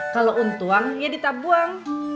kalau untuang ya ditabuang